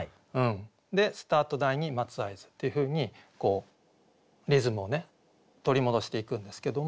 で「スタート台に待つ合図」っていうふうにリズムを取り戻していくんですけども。